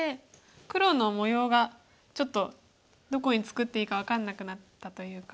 黒の模様がちょっとどこに作っていいか分かんなくなったというか。